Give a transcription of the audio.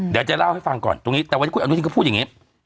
เดี๋ยวจะเล่าให้ฟังก่อนตรงนี้บอกวันนี้เขาพูดแบบนี้